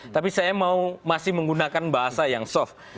tapi saya masih mau menggunakan bahasa yang soft